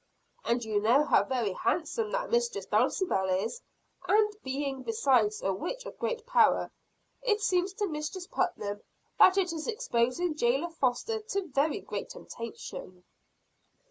"And you know how very handsome that Mistress Dulcibel is; and, being besides a witch of great power, it seems to Mistress Putnam that it is exposing jailer Foster to very great temptation."